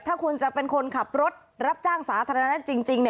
ถ้าคุณจะเป็นคนขับรถรับจ้างสาธารณะจริง